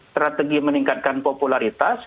strategi meningkatkan popularitas